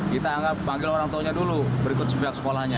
kita anggap panggil orang tuanya dulu berikut sepihak sekolahnya